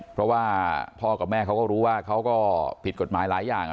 เพราะว่าพ่อกับแม่เขาก็รู้ว่าเขาก็ผิดกฎหมายหลายอย่าง